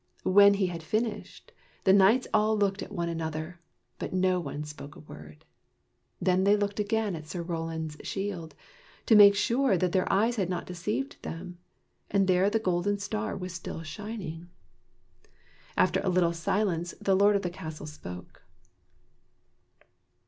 When he had finished, the knights all looked at one another, but no one spoke a word. Then they looked again at Sir Roland's shield, to make sure that their eyes had not deceived them, and there the golden star was still shining. After a little silence the lord of the castle spoke.